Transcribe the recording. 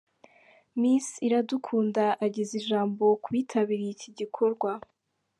Miss Iradukunda ageza ijambo ku bitabiriye iki gikorwa.